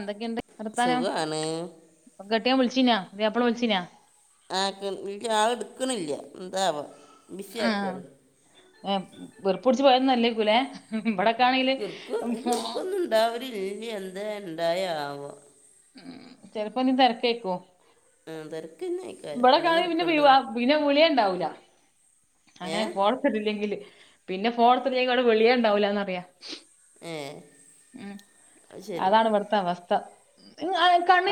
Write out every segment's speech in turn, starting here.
എന്തൊക്കെയുണ്ട് നിർത്താന സുഖമാണ് ഗെട്ടിയ വിളിച്ചീനാ പുതിയപ്പില വിളിച്ചനാ അഹ് വീട്ടിൽല് ആള എടുക്കണില്ല എന്തവാ ബിസി ആക്കാണ് ഏയ് വെറുപ്പ പിടിച്ചു പോയന്നല്ലേ കുല ഇവിടെക്കെ ആണെങ്കില് കിറുക്ക് കിറുക്കൊന്നും [unintelligible] എന്താ ഉണ്ടായാവോ ഉം ചെലപ്പോ നീ തിരക്കേക്കോ അഹ് തിരക്കന്ന ആയിക്ക എന്താ പിന്നെ എടുക്കണ്ടത് വിവാ പിന്നെ വിളിയേ ഉണ്ടാവൂല അങ്ങനെ പോർത്തിട്ടില്ലെങ്കില് പിന്നെ പോർത്തില്ലെങ്ക അവിടെ വെളിയ ഉണ്ടാവില്ലന്ന്റിയ ഏ ഉം അത് ശരി അതാണ് ഇവിടുത്തെ അവസ്ഥ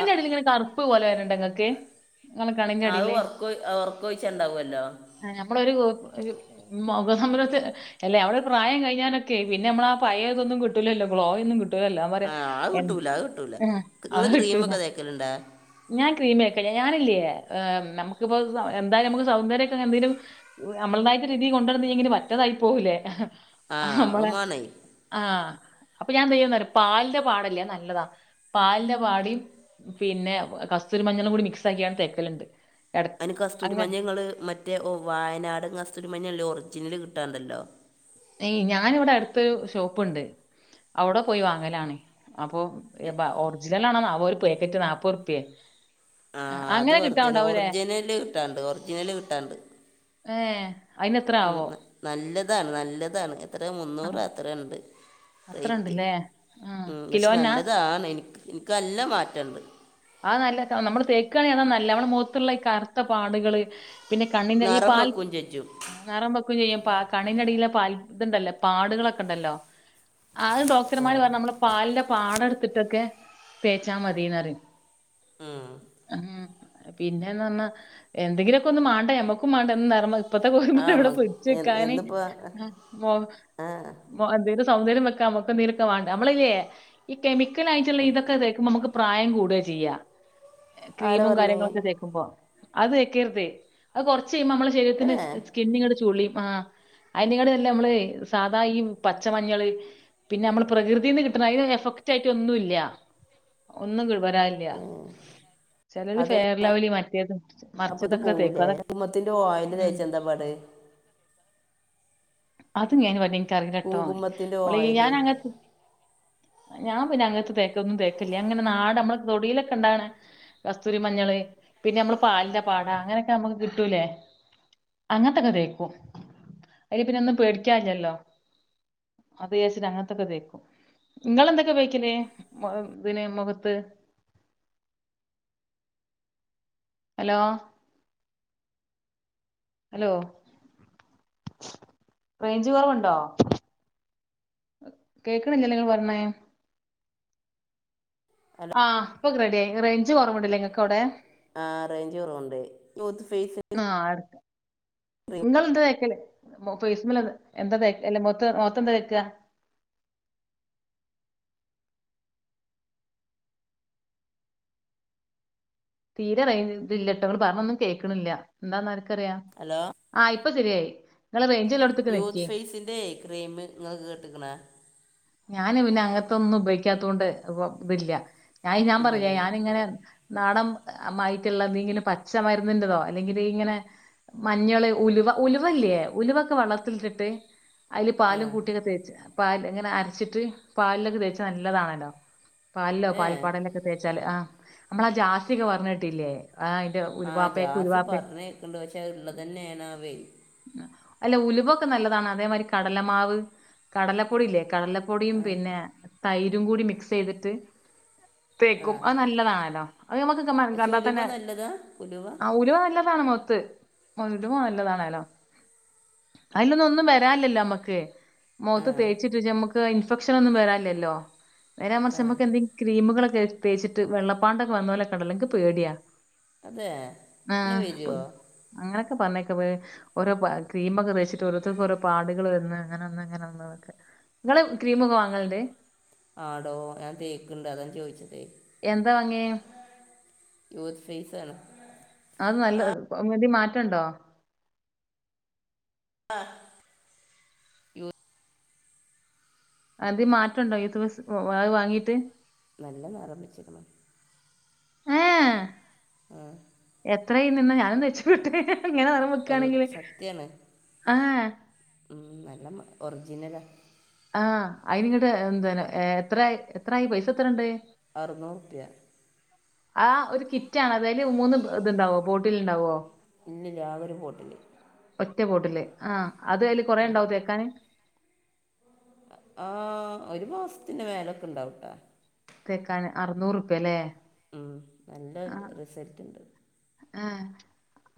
ആ ഇടൽ ഇങ്ങനെ കറുപ് പോലെ വരണ്ടെങ്ങൾക്ക് അത് ഉറക്ക ഉറക്കൊഴിച്ച ഉണ്ടാവല്ലോ അഹ് നമ്മളൊരു ഒരു മുഖസമരത്തെ അല്ല നമ്മളടെ പ്രായം കഴിഞ്ഞാനൊക്കെ പിന്നെ നമ്മള ആ പയതൊന്നും കിട്ടില്ലല്ലോ ഗ്ലോയൊും കിട്ടു [unintelligible] പറയാ ആ അത് കിട്ടൂല അത് കിട്ടൂല നിങ്ങൾ [unintelligible] കിട്ടൂല ക്രീമൊക്കെ തേക്കലുണ്ടാ ഞാൻ ക്രമിയക്ക ഞാനില്ലേ ഏർ നമുക്കിപ്പോ എന്തായാലും നമുക്ക് സൗന്ദര്യൊക്കെ എന്തെങ്കിലും നമ്മളതായിട്ട് രീതി കൊണ്ടരന്ന്ങ്കന് വറ്റതായി പോകലേ ആ അത് നമ്മളെ മാണേ ആഹ് അപ്പൊ ഞാൻ ത്യന്ന പാലിന്റെ പാടല്ലേ നല്ലതാ പാലിന്റെ പാടി പിന്നെ കസ്തൂരിമഞ്ഞെളാം കൂടി മിക്സ് ആക്കിയ തേക്കലുണ്ട് എട- അതിന് അങ്ങനെ കസ്തൂരിമഞ്ഞങ്ങൾ മറ്റേ ഓ വയനാടും കസ്തൂരിമഞ്ഞല്ലേ ഒറിജിനൽ കിട്ടാണ്ടല്ലോ യ് ഞാനിവിടെ അടുത്തൊരു ഷോപ്പുണ്ട് അവിടെ പോയി വാങ്ങലാണ അപ്പോ എ- ഒറിജിനൽ ആണോ ന ഒരു പാക്കറ്റ് നാപ്പത് റുപ്യ ആഹ് അത് അങ്ങനെ വറുദേ ആണ് കിട്ടാണ്ടാവൂലേ ഒറിജിനല് കിട്ടാണ്ട് ഒറിജിനല് കിട്ടാണ്ട് ഏയ് ഉം നല്ലതാണ് നല്ലതാണ് എത്ര ആ മുന്നൂറ് അത്ര ഉണ്ട് അത്ര റേറ്റ് ഉണ്ടല്ലേ ആ പക്ഷെ കിലോനാ നല്ലതാണ് എനിക്ക് എനിക്കല്ല മാറ്റണ്ട് ആ നല്ല നമ്മള് തേക്കുകണെ അത നല്ല നമ്മുടെ മുഖത്തുള്ള ഈ കറുത്ത പാടുകള് പിന്നെ കണ്ണിൻ ഈ നിറം പാൽ വെക്കും ചെജ്ജും നറൻ പെക്കും ചെയ്യും പ കണിനടിയിലെ പാൽ ഇത്ണ്ടല്ലോ പാടുകളൊക്കെ ഉണ്ടല്ലോ ആത് ആ ഡോക്ടർമാര് പറഞ്ഞു നമ്മളള് പാലിന്റെ പാട എടുത്തിട്ടൊക്കെ തേച്ചാ മതിന്ന്റിയ ഉം ഉം പിന്നെന്ന് പറഞ്ഞാ എന്തെങ്കിലുമൊക്കെ ഒന്ന് മേണ്ട എമ്മക്കും മേണ്ടന്ന് അപ്പത്തെ ആ കോരുമ്പോ മ അവിടെ എ- പൊടച്ച്ക്കാന് എന്നിപ്പോ ആ [unintelligible] എന്ത സൗന്ദര്യം വെക്കാൻ നമുക്ക് നരക്ക വേണ്ട നമ്മളല്ലേ ഈ കേമി ക്കലായിട്ടുള്ള ഇതൊക്കെ തേക്കുമ്പ നമുക്ക് പ്രായം കൂടുക ചെയ്യ്. ആരാ ക്രീമും പറഞ്ഞേ കാര്യങ്ങളൊക്കെ തേ ക്കുമ്പോ അത് തേക്കരുത്. അത് കൊറച്ച് കഴിയുമ്പോ നമ്മള ഏ ശരീരത്തിന് സ്കിന്നിങ്ങട്ട് ചുളിയും ആഹ്. അയിനാകാട്ടിം നല്ലത് നമ്മള് സാധാ ഈ പച്ചമഞ്ഞള് പിന്നെ നമ്മള് പ്രകൃതീന്ന് കിട്ട്ണ അയിന് എഫക്റ്റ് ആയിട്ട് ഒന്നു ഇല്ല, ഒന്നും ഇങ്ങട്ട് വരാൻ ഇല്ല. ചിലര് അതല്ല ഫേയർ ലൗലി മറ്റേത് അപ്പൊ ഇത് മറിച്ചതൊക്കെ തേക്കും പോവൂലേ അതൊ കുങ്കുമത്തിന്റെ ഓയിൽ ഉം തേച്ച എന്താ പാട് അത് ഇഞ്ഞ് അയിനെ പറ്റി ഇൻക്ക് അറീലട്ടോ, കുങ്കുമത്തിന്റെ ഓള് ഈ ഓയിൽ ഞാന അങ്ങൻ ത്തെ ഞാൻ പിന്നെ അങ്ങത്തെ തേക്കലൊന്നും തേക്കല്ല. ഞാൻ ഇങ്ങനെ നാടൻ നമ്മള തൊടിയിലൊക്കെ ഇണ്ടാവ്ണെ കസ്തൂരി മഞ്ഞള് പിന്നെയമ്മള് പാലിന്റെ പാട അങ്ങനെയൊക്കെ നമ്മക്ക് കിട്ടൂലേ? അങ്ങൻത്തൊക്കെ തേക്കും അയ്ല് പിന്നെന്നും പേടിക്കാൻ ഇല്ലല്ലോ. അത് വിചാരിച്ചിട്ട് അങ്ങൻത്തൊക്കെ തേക്കും. ഇങ്ങളെന്തൊക്കെ ഉപയോയ്ക്കലേ ഇതിന് മുഖത്ത്? ഹലോ ഹലോ, റേഞ്ച് കൊറവ്ണ്ടോ? കേൾക്ക്ണില്ല്യല്ലോ ഇങ്ങള് പറയ്ണെ ഹലോ ആഹ്, ഇപ്പൊ റെഡിയായി, റേഞ്ച് കൊറവ്ണ്ട്ല്ലേ ഇങ്ങക്ക് അവിടെ. ആ റേഞ്ച് കൊറവ്ണ്ട്, [unintelligible] ഫെയിസ് ആ എടുക്ക. ഇങ്ങളെന്താ തേക്കല് മൊ ഫെയ്സുമ്മൽ എന്താ തേക്ക് അല്ലാ മുഖത്ത്, മുഖത്ത് എന്താ തേക്ക്? തീരെ റെയി ഇതില്ലട്ടോ ഇങ്ങള് പറഞ്ഞൊന്നും കേൾക്ക്ണില്ല, എന്താന്നാര്ക്കറിയാം ഹലോ ആ ഇപ്പൊ ശരിയായി ഇങ്ങള് റേഞ്ച് ഇള്ളോട് യൂത്ത് ഫേസിൻ്റെ ക്രീം ഇങ്ങള് കേട്ട്ക്ക്ണോ? ഞാന് പിന്നെ അങ്ങെത്തൊന്നും ഉപയോഗിക്കാത്തുകൊണ്ട് ഇപ്പോ ഇതില്ല ഞാൻ ഞാന് പറഞ്ഞില്ലേ ഇതിലെ ഞാനിങ്ങനെ നാടൻ മായിറ്റ്ള്ള എന്തെങ്കിലും പച്ച മര്ന്നിന്റെതോ അല്ലെങ്കില് ഇങ്ങനെ മഞ്ഞള് ഉലുവ ഉലുവല്ലേ ഉലുവൊക്കെ വെള്ളത്തിൽ ഇട്ട്ട്ട് അയില് ആ പാലും കൂട്ടിയൊക്കെ തേച്ച് പാല് ഇങ്ങനെ അരച്ചിട്ട് പാലിലൊക്കെ തേച്ചാൽ നല്ലതാണല്ലോ. പാൽലോ ഏ പാൽപ്പാടേലൊക്കെ തേച്ചാല് ആ നമ്മള ആ ജാസിയക്കെ പറഞ്ഞേ കേട്ടില്ലേ ആ അയ്ന്റെ ആ ജാസി പറഞ്ഞേക്ക്ണ്ട് പക്ഷേ അത് ഇള്ളതന്നെണാവെയ് അല്ല ഉലുവൊക്കെ നല്ലതാണ് അതേമാരി കടലമാവ് കടലപ്പൊടില്ലേ കടല പ്പൊടിയും ആ പിന്നെ തൈരും കൂടി മിക്സെയ്തിട്ട് ആ തേക്കും അത് നല്ലതാണല്ലോ അത് നമുക്കൊക്കെ പക്ഷെ [unintelligible] ഉലുവ നല്ലതാ ഉലുവ ആ ഉലുവ നല്ലതാണ് മുഖത്ത്. ഉലുവ നല്ലതാണേല്ലോ അയിലൊന്നും ഒന്നും വരാല്ലല്ലോ നമ്മക്ക് ആ മോത്ത് തേച്ച്ട്ട് നമ്മക്ക് ഇൻഫക്ഷനൊന്നും വരാല്ലല്ലോ നേരെ ആ മറിച്ച് നമ്മക്കെന്തെ ക്രീമുകളൊക്കെ തേച്ചിട്ട് വെള്ളപ്പാണ്ടൊക്കെ വന്നോലൊക്കെണ്ടല്ലോ ഇൻക്ക് പേടിയ അതെ അങ്ങനെ ആഹ്, വരുമോ അങ്ങനൊക്കെ പറഞ്ഞ് കേൾക്കാം ഓരോ പാ ക്രീമൊക്കെ തേച്ചിട്ട് ഓരോര്ത്തർക്കോരോ പാടുകള് വര്ന്ന അങ്ങനെ വന്ന് ഇങ്ങനെ വന്ന് ഇതൊക്കെ. ഇങ്ങള് ക്രീമൊക്കെ വാങ്ങല്ണ്ട്? ആടോ ഞാൻ തേക്ക്ണ്ട് അതാ ഞാൻ ചോദിച്ചതേ എന്താ വാങ്ങിയേ? യൂത്ത് ഫെയിസാണ്. അത് നല്ല [unintelligible] മാറ്റണ്ടോ? ആഹ് എന്തേ മാറ്റംണ്ടോ യൂത്ത് വെസ് അത് വാങ്ങീട്ട്. നല്ല നെറം ബെച്ച്ക്ക്ണ്. ഏ ആഹ്. എത്രയ്ന്ന് ഞാനുന്തേച്ചോക്കട്ടെ ങ്ങനെ നറം എൽ- വെക്കാണെങ്കില് സത്യാണ് ആ. ഉം നല്ല മ ഒർജിനല. ആഹ് അയ്നിങ്ങട്ട് എന്ത എത്രയി എത്രായി പൈസെത്രണ്ട്? അർന്നൂർപ്യ. ആ ഒരു കിറ്റാണത് അയ്ല് മൂന്ന് ഇത്ണ്ടാവോ ബോട്ടില്ണ്ടാവോ? ഇല്ല ല്ല ആകൊരു ബോട്ടില്. ഒറ്റ ബോട്ടില് ആ അത് അയ്ല് കൊറേണ്ടാവോ തേക്കാന്? ആ ഒരു മാസ്ത്തിന്റെ മേലൊക്കെ ഇണ്ടാവൂട്ടാ. തേക്കാന് അർന്നൂറുപ്യലെ ഉം, നല്ല ആ റിസൾട്ട് ഉണ്ട് ആ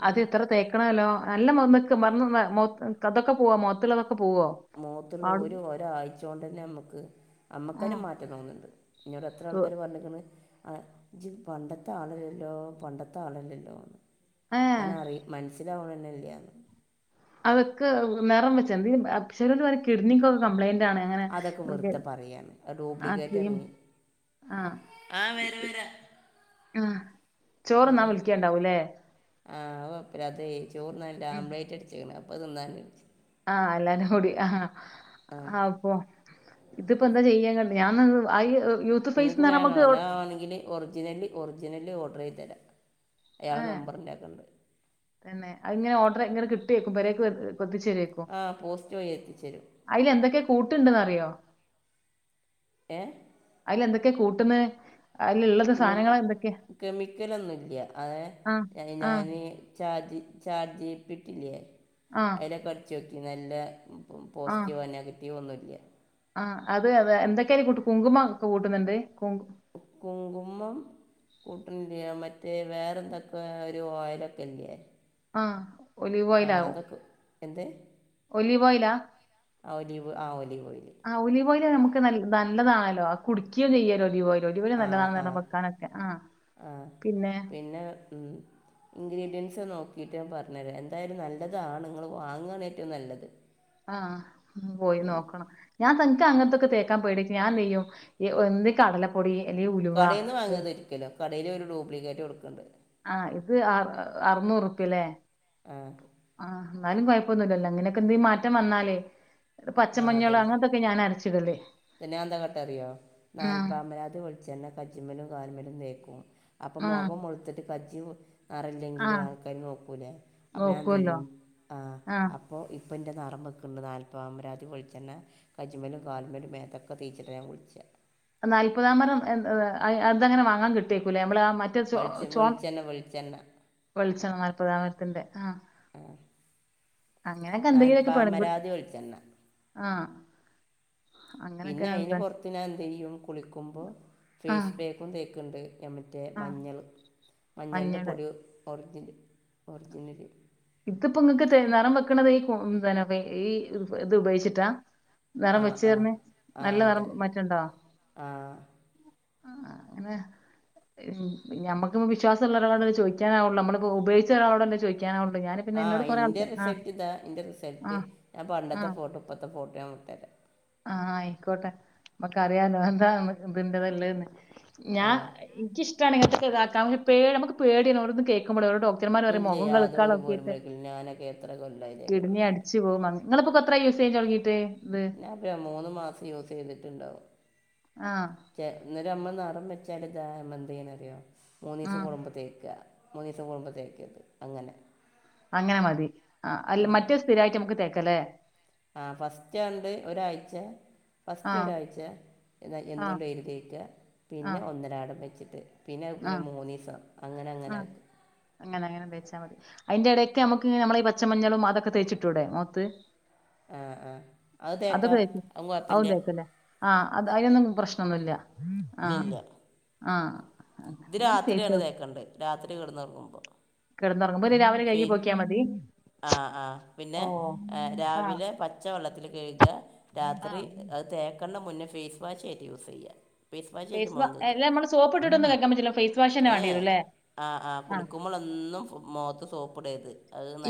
അതെത്ത്ര തേക്ക ക്കണേലോ നല്ല [unintelligible] അതൊക്കെ പോവാ മോത്ത്ള്ളൊക്കെ പോവോ? മോത്ത്ള്ളത് പാടും ഒര് ഒരായ്ചോണ്ടന്നെ നമ്മക്ക് ആ നമ്മക്കന്നെ മാറ്റം തോന്ന്ണ്ട്. ഇന്നോട് എത്ര തു- ആൾക്കാര് പർഞ്ഞിക്ക്ണ് ഏ ഇജ് പണ്ടത്തെ ആളല്ലല്ലോ പണ്ടത്തെ ആളല്ലല്ലോന്ന് ഏ അങ്ങനെ പറിം. മൻസ്സിലാവ്ണെന്നല്ല. അവക്ക് നെറം വെച്ച [unintelligible] കിഡ്നിക്കൊക്കെ കംപ്ലൈന്റാണ് അങ്ങനെ അതൊക്കെ വെറുതെ പറയാണ് ആ ക്രീം. ആ ആഹ് വര വര. ആ ചോറ്ന്നാ വിൾക്യാണ്ടാവൂലേ? ആ അകൊയ്പല്ല്യ അതേ ചോർന്നാന് ആപ്ലേറ്റ് അട്ച്ച്ക്ണ് അപ്പോ തി ന്നാണ് വിൾച്ച. ആഹ് എല്ലാരും കൂടി ആഹ്. ആഹ്. ആ അപ്പൊ ഇതിപ്പോ എന്താ ചെയ്യാങ്ങണ്ട് ഞാൻന്നാ പൊ ആയ് യൂ നിങ്ങക്ക് വേണോ ഞാൻ വേ ണെങ്കില് ഒർജിനല് ഒർജിനല് ഓഡ്രയ്തെര അയാളെ ഏഹ് നമ്പറ്ന്റെല്ണ്ട്. തന്നെ അത്ങ്ങെനെ ഓഡ്ര ഇങ്ങെനെ ക്‌ ട്ടേക്കും പെരേക്ക് എ ത്തിച്ചേരേക്കും. ആ പോസ്റ്റവ യി എത്തിച്ചരും. അയ്ല് എന്തൊക്കെ കൂട്ട്ണ്ട്ന്നറിയോ? ഏ അയ്ലെന്തൊക്കെ കൂട്ട്ന്ന്? കൂ കെമിക്കലൊന്നുംല്ല്യ ഏ ആഹ് അത് ആഹ് ഞാന് ചാജീ ചാജീബീടില്ല്യേ ആഹ് അയ്ലൊക്കെ അട്ചോക്കി നല്ല പോസ്റ്റീവ നെഗറ്റീവൊന്നുല്ല്യ. ആ അത് അതേ എന്തൊക്കെയ്ല് കൂട്ട് കുങ്കുമക്കെ കൂട്ട്ന്ന്ണ്ട്. കുങ്കുമ്മം കൂട്ട്ണില്ല്യ മറ്റേ വേറെന്തൊക്കെ ഒര് ഓയിലൊക്കെല്ലേേ? ആഹ്. ഒലീവ് ആ അതൊക്കെ എന്ത്? ഒലിവോയില. ആ ഓലിവ് ആ ഓലിവോയില്. ആ ഒലിവോയില് നമക്ക് നല്ല നല്ലതാണല്ലോ അത് കുടിക്ക്യോ ചെയ്യല്ലോ ഒലിവോയില്. ലൊലിവോയിൽ ആ നല്ലതാണ് ന്ന് ആ പർഞ് വെക്കാനൊക്കെ. ആഹ് ആ പിന്നെ പിന്നെ ഉം ഇൻഗ്രീഡിയൻസ് നോക്കിട്ട് ഞാൻ പർഞ്ഞരാ. എന്തായാലും നല്ലതാണ് ഇങ്ങൾ വാങ്ങാണ് ഏറ്റവും നല്ലത്. ആഹ് ഒന്ന് പോയി നോക്കണം. ഞാൻ പ്പം ഇൻക്ക് അങ്ങൻത്തൊക്കെ തേക്കാൻ പേട്യായിട്ട് ഞാനെന്തെയ്യും, ഈ ഒ ന്നെ കടല പൊടി അല്ലേ ഉൽ കടേന്ന് വാങ്ങര്ത് ഒരിക്കലും, കടേല് ഇവര് ഡ്യൂപ്ലിക്കേറ്റ് കൊടുക്ണ്ട്. ആഹ് ഇത് അർ അറുനൂറുപ്പ്യ ല്ലേ. ആഹ് ആഹ് ന്നാലും കുഴപ്പൊന്നുല്ലല്ലോ. അങ്ങനൊക്കെന്തേം മാറ്റം വന്നാലേ. ആ പച്ചമഞ്ഞള് അതന്നെ അങ്ങൻത്തെ ക്കെ ഞാൻ അരച്ച്ടല്. പിന്നെ ഞാ എന്താ കാട്ടാ അറിയോ. നാല്പ്പാമരാതി വെളിച്ചെണ്ണ കജ്ജ്മ്മലും കാല്മ്മലും തേക്കും. അപ്പം ആഹ് മുഖം മൊളുത്തിട്ട് കജ്ജിയു നറെല്ലെങ്കില് ആഹ് ആൾക്കാര് നോക്കൂലേ അപ്പൊ ഞാൻ നോക്കുവല്ലോ എന്തെയ്യും, ആഹ് അ അപ്പോ ഇപ്പന്റെ നറം ബെക്ക്ണ്ട്. നാൽപ്പാമരാതി വെളിച്ചണ്ണ കജ്ജ്മലും കാല്മ്മലും മേ ത്തൊക്കെ തേച്ചിട്ട ഞാൻ കുളിച്ചാ. നാൽപ്പതാം മരം [unintelligible] അ അതെങ്ങനെ വാങ്ങാൻ കിട്ടേക്കൂല്ലേ നമ്മൾ ആ മ റ്റെ ചോ വെളിച്ച ചോം വെളിച്ചെണ്ണ വെളിച്ചെണ്ണ വെളിച്ചെണ്ണ നാല്പ്പതാമരത്തിന്റെ ആഹ് ആഹ് അങ്ങനെയൊക്കെ എന്തെങ്കിലുമൊക്കെ പെൺകുട്ടി നാൽപ്പാമരാതി വെളിച്ചണ്ണ. ആഹ് അങ്ങനൊക്കെ പിന്നെ അയിന് എന്താ പൊർത്ത് ഞാൻ എന്തെയ്യും കുളിക്കുമ്പോ ആഹ് ഫേസ് പാക്കും തേക്ക്ണ്ട്. ഞമ റ്റേ ആഹ് മഞ്ഞൾ. മഞ്ഞളിൻ്റെ മഞ്ഞള് പൊടി ഒറിജിൻ ഒറിജിനല്. ഇത്പ്പ ഇങ്ങക്ക് നിറം തെ വെക്കണത് ഈ കു പനെ പി ഈ ഇത് ഉപയോഗിച്ചിട്ടാ. നെറം ആ വെച്ചു ആ പർഞ്ഞ് ആ നല്ല നെറം അതെ മാറ്റണ്ടോ? ആ ആഹ് അങ്ങനെ ഞമ്മക്കിപ്പം വിശ്വാസള്ളരാളോടല്ലേ ചോയിക്കാനാവുള്ളൂ നമ്മളിപ്പോ ഉയോഗിച്ച ഒരാളോടല്ലേ ചോയിക്കാനാവു ള്ളു ഞാന് ആഹ് ഇൻ്റെ റിസൽറ്റ് ഇതാ ഇൻ്റെ ആ റിസൽറ്റ് ഞാൻ പണ്ടത്തെ ഫോട്ടും ഇപ്പത്തെ ഫോട്ടും ഞാൻ വിട്ടെരാ. ആഹ് ആയിക്കോട്ടെ ഞമക്കറിയാലോ എന്താ ഇതിൻ്റത്ള്ളേന്ന്. ഞാ ആ ഇൻക്ക് ഇഷ്ടാണ് ഇങ്ങത്തെതൊക്കെ ഇതാക്കാം ഒരു പേള് നമ്മക്ക് പേടി ഓരോന്ന് കേക്കുമ്പളെ. ഓരോ ഡോ ക്ടർമാർ പറയും ഇല്ല മൊഖോം കെള്ക്കാൻ യാതൊരു പോലും നോക്കിട്ട് വരിക്കില്ല ഞാനൊക്കെ എത്ര കൊല്ലമായി കിഡ്‌നി കേരളത്തിട്ട് അടിച്ചു പോകും മ ഇങ്ങൾ ഇപ്പോ ക്കെത്രായി യൂസെയ്ത് തൊടങ്ങീട്ട് ഇത്. ആകെ മൂന്ന് മാസം യൂസ് ചെയ്തിട്ടുണ്ടാവും. ആഹ് ചെ ഇന്നര് നമ്മള് നെറം വെച്ചാല് താ നമ്മളെന്തെയ്യണം അറിയോ, ആ മൂന്നീസം കൂടുമ്പോ തേക്കാ. മൂന്നീസം കൂടുമ്പോ തേക്കര്ത് അങ്ങനെ. അങ്ങനെ മതി. ആഹ് അല്ല മറ്റെ സ്ഥിരായിട്ട് നമുക്ക് തേക്ക ലേ? ആഹ് ഫസ്റ്റാണ്ട് ഒരാഴ്ച ഫസ്റ്റ് ആഹ് ഒരാഴ്ച എന്ന ആഹ് എന്നും ഡെയിലി തേക്കാ പിന്നെ ആഹ് ഒന്നരാടം വെച്ചിട്ട്. പിന്നെ പിന്നെ ആഹ് മൂന്നിസം അങ്ങനെ അങ്ങനാക്കാ. അങ്ങന അങ്ങനെ തേച്ചാ മതി. അയിന്റെടെക്കെ നമുക്ക് ങ് നമ്മളെഈ പച്ച മഞ്ഞളും അതൊക്കെ തേച്ചിട്ടൂടെ മോത്ത്. ആ ആ അത് അതൊക്കെ തേക്കാം തേക്കും അത് അതും കുഴപ്പമില്ല തേക്കലേ. ആഹ് അത് അയ്നൊന്നും പ്രശ്നൊന്നുല്ല ഇല്ല ആഹ് ഇല്ല ആഹ്. ഇത് രാത്രിയാണ് തേച്ചോ തേക്കണ്ടത്. രാത്രി കെടന്നൊർങ്ങുമ്പം. കിടന്നുറങ്ങുമ്പോ ര് രാവിലെ കഴുകി പോക്കിയാ മതി ആ ആഹ് പിന്നെ ഓ ആഹ് രാവിലെ പച്ചവെള്ളത്തില് കഴുക രാത്രി ആഹ് അത് തേ ക്കണ്ട മുന്നേ ഫേസ് വാഷ് ആയിട്ട് യൂസ് ചെയ്യ ഫേസ് വാ അല്ല നമ്മള് സോപ്പ്ട്ടൊന്നും കയ്ക്കാൻ പറ്റില്ല ഫേസ് വാഷന്നെ ഏ വേണ്ടി ഹേ വരുംല്ലേ ആഹ് ആഹ് ആ കുളിക്കുമ്പളൊന്നും മോത്ത് സോപ്പ്ടര്ത്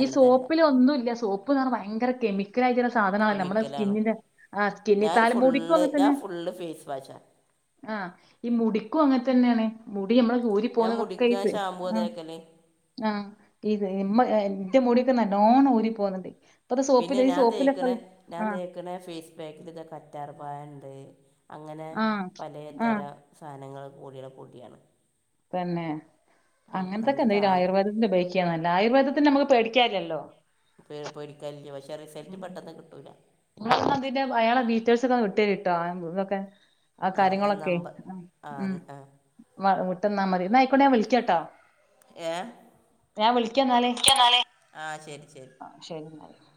ഈ സോപ്പിലൊന്നുല്ല സോപ്പ്ന്ന് പറഞ്ഞ ഭയങ്കര കെമി ക്കലായിട്ടുള്ള സാധന നമ്മുടെ കെമിക്കലാണ് സ്കിന്നിന്റെആഹ് സ്കിന്നിൽ ഞാൻ തലമുടിക്കും ഫുള്ള് അങ്ങൻ ഞാൻ തന്നെ ഫുള്ള് ഫേസ് വാഷാണ് ആഹ് ഈ മുടിക്കും അങ്ങനെ തന്നെയാണ് മുടി നമ്മള് ഊരി ഞാൻ പോന്ന് മുടിക്കാൻ [unintelligible] ഷാമ്പൂ ആഹ് തേക്കൽ ആഹ് ഇത് ഇമ്മ ഇൻ്റെ മുടിക്ക നല്ലോണ്ണം ഊരി പോന്നുണ്ട് ഇപ്പത സോപ്പിൽ ഈ സോപ്പിലൊക്കെ ആഹ് ക്ക്ണ ഫേസ് പാക്കിൽ താ കറ്റാർ വാഴണ്ട് അങ്ങനെ ആ പലേ ആ തര സാധനങ്ങൾ കൂടിയുള്ള പൊടിയാണ് തന്നെ ഉം, അങ്ങനത്തൊക്കെ എന്തെങ്കിലും നല്ലതാണ് ആയുർവേദത്തിന്റെ ഉപയോഗിക്കാനല്ല ആയുർവേദത്തിന്റെ നമ്മുക്ക് പേടിക്കാനില്ലല്ലോ പേ പേടിക്കാനില്ല പക്ഷേ റിസൾട്ട് പെട്ടെന്ന് കിട്ടൂല്ല ഇങ്ങള് ന്നാ അതിന്റെ അയാള ടീറ്റെൽസ് ഒക്കെ ഒന്ന് വിട്ടേരിട്ടോ ഇതൊക്കെ ആ കാര്യങ്ങളൊക്കെ ഉം ആ ആ ഉം വിട്ടന്നാ മതി ന്നാ ആയിക്കോട്ടെ ഞാൻ വിളിക്കാട്ടോ ഏ ഞാൻ വിളിക്കന്നാലേ ക്ക് എന്നാല് ആ ശരി ശരി ആ ശരി ന്നാൽ